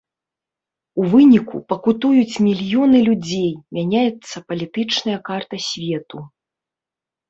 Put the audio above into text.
У выніку пакутуюць мільёны людзей, мяняецца палітычная карта свету.